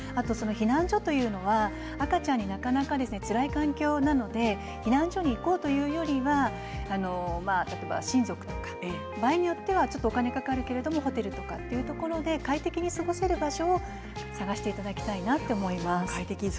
避難所は赤ちゃんになかなかつらい環境なので避難所に行こうということは親族とか、場合によってはお金がかかりますけどホテルとかというところで快適に過ごせる場所を探していただきたいなと思います。